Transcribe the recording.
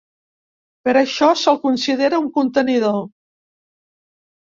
Per això se'l considera un contenidor.